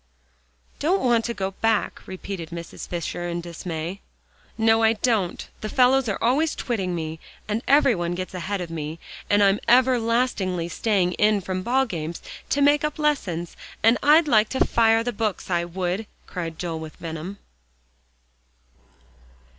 "Don't want to go back?" repeated Mrs. Fisher in dismay. "No, I don't. The fellows are always twitting me, and every one gets ahead of me, and I'm everlastingly staying in from ballgames to make up lessons, and I'd like to fire the books, I would," cried Joel with venom.